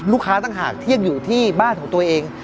ต่างหากที่ยังอยู่ที่บ้านของตัวเอง